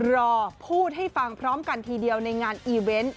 รอพูดให้ฟังพร้อมกันทีเดียวในงานอีเวนต์